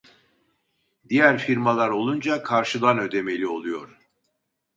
Diğer firmalar olunca karşıdan ödemeli oluyor